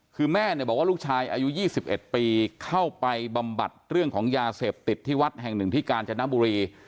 คือแม่เนี่ยบอกว่าลูกชายอายุ๒๑ปีเข้าไปบำบัดเรื่องของยาเสพติดที่วัดแห่งหนึ่งที่กาญจนบุรี